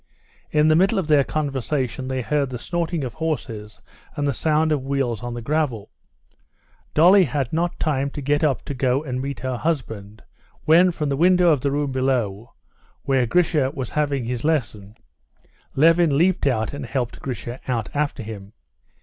In the middle of their conversation they heard the snorting of horses and the sound of wheels on the gravel. Dolly had not time to get up to go and meet her husband, when from the window of the room below, where Grisha was having his lesson, Levin leaped out and helped Grisha out after him.